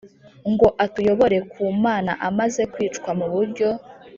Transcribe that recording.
Ngo atuyobore ku mana amaze kwicwa mu buryo